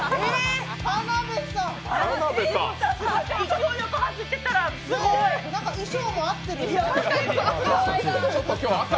勢いよく走ってったら衣装も合ってる。